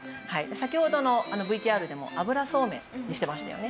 先ほどのＶＴＲでも油ゾーメンにしてましたよね。